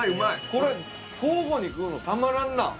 これ交互に食うのたまらんな！